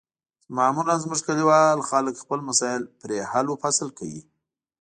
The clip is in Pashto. معمولا زموږ کلیوال خلک خپل مسایل پرې حل و فصل کوي.